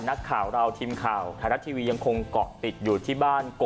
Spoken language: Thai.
นักข่าวเราทีมข่าวไทยรัฐทีวียังคงเกาะติดอยู่ที่บ้านโก